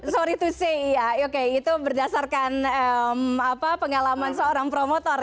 sorry to say iya oke itu berdasarkan pengalaman seorang promotor ya